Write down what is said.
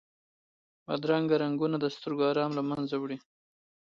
بدرنګه رنګونه د سترګو آرام له منځه وړي